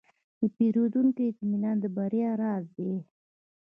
د پیرودونکو اطمینان د بریا راز دی.